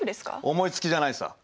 思いつきじゃないさ。